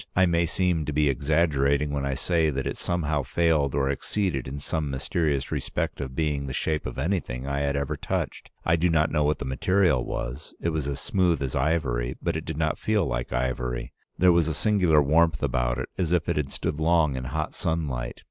I may seem to be exaggerating when I say that it somehow failed or exceeded in some mysterious respect of being the shape of anything I had ever touched. I do not know what the material was. It was as smooth as ivory, but it did not feel like ivory; there was a singular warmth about it, as if it had stood long in hot sunlight.